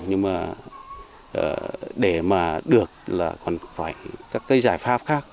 nhưng mà để mà được là còn phải các cái giải pháp khác